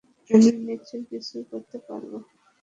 আমরা নিশ্চয়ই কিছু করতে পারবো।